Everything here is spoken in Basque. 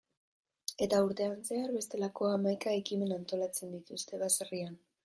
Eta urtean zehar, bestelako hamaika ekimen antolatzen dituzte baserrian.